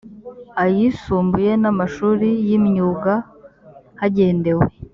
ayisumbuye n amashuri y imyuga hagendewe